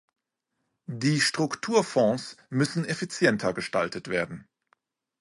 Die Strukturfonds müssen effizienter gestaltet werden.